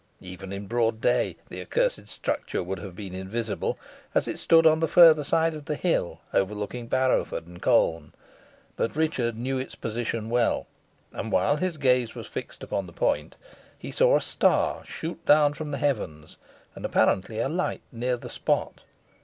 Even in broad day the accursed structure would have been invisible, as it stood on the further side of the hill, overlooking Barrowford and Colne; but Richard knew its position well, and while his gaze was fixed upon the point, he saw a star shoot down from the heavens and apparently alight near the spot.